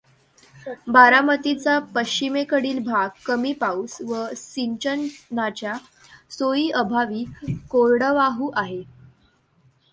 बारामतीचा पश्चिमेकडील भाग कमी पाऊस व सिंचनाच्या सोयीअभावी कोरडवाहू आहे.